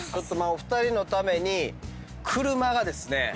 お二人のために車がですね